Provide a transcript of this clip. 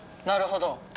なるほど。